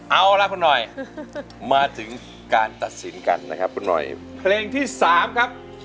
เอาล่ะคุณหน่อยมาถึงการตัดสินกันนะครับคุณหน่อยเพลงที่๓ครับ